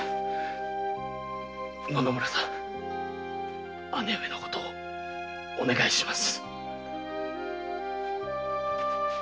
野々村さん姉上のことお願いします。